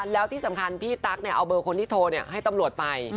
แล้วที่สำคัญพี่ตั๊กเอาเบอร์คนที่โทรให้ตำรวจไป